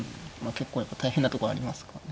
結構やっぱ大変なとこありますかね。